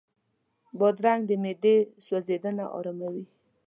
بادرنګ د معدې سوځېدنه آراموي.